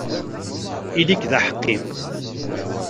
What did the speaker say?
Ili-k d aḥeqqi!